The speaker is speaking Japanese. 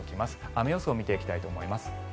雨予想を見ていきたいと思います。